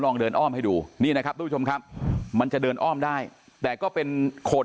ลองเดินอ้อมให้ดูนี่นะครับมันจะเดินอ้อมได้แต่ก็เป็นโขด